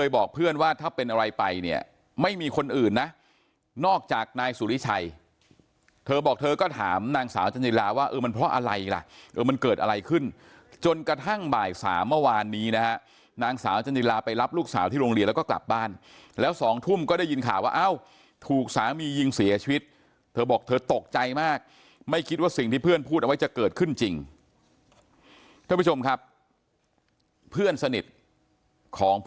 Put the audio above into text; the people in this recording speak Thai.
บอกเธอก็ถามนางสาวจรรยีลาว่ามันเพราะอะไรล่ะมันเกิดอะไรขึ้นจนกระทั่งบ่ายสามเมื่อวานนี้นะครับนางสาวจรรยีลาไปรับลูกสาวที่โรงเรียนแล้วก็กลับบ้านแล้วสองทุ่มก็ได้ยินข่าวว่าเอ้าถูกสามียิงเสียชีวิตเธอบอกเธอตกใจมากไม่คิดว่าสิ่งที่เพื่อนพูดเอาไว้จะเกิดขึ้นจริงท่านผู้ชมครับเพื่อนสน